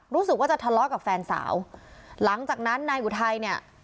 รู้สึกว่าจะทะเลาะกับแฟนสาวหลังจากนั้นนายอุทัยเนี่ย